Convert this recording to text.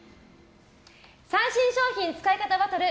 最新商品使い方バトル！